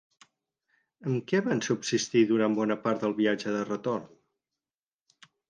Amb què van subsistir durant bona part del viatge de retorn?